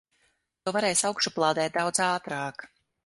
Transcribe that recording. To varēs augšupielādēt daudz ātrāk.